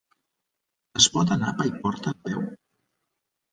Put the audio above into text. Es pot anar a Paiporta a peu?